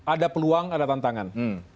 ada peluang ada tantangan